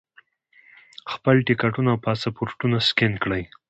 خپل ټکټونه او پاسپورټونه سکین کړي.